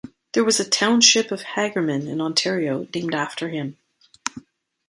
There was a township of "Hagerman" in Ontario named after him.